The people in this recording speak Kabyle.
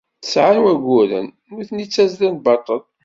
Tesɛa n wayyuren nutni d tazzla n baṭel.